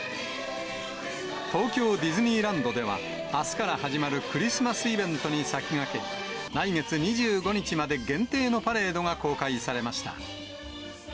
東京ディズニーランドでは、あすから始まるクリスマスイベントに先駆け、来月２５日まで限定のパレードが公開されました。